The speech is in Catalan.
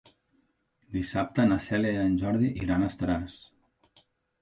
Dissabte na Cèlia i en Jordi iran a Estaràs.